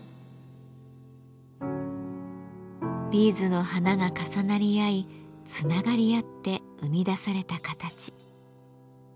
ビーズの花が重なり合いつながり合って生み出された形。